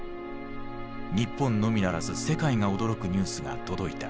日本のみならず世界が驚くニュースが届いた。